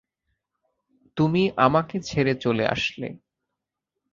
তুমি আমাকে ছেড়ে চলে আসলে।